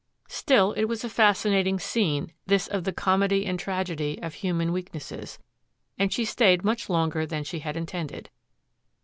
Still, it was a fascinating scene, this of the comedy and tragedy of human weaknesses, and she stayed much longer than she had intended.